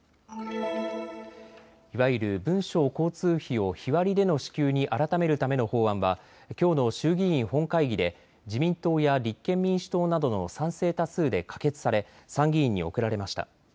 いわゆる文書交通費を日割りでの支給に改めるための法案はきょうの衆議院本会議で自民党や立憲民主党などの賛成多数で可決され参議院に送られました。